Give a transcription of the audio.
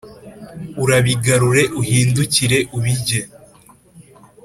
Urabigarure uhindukire ubirye »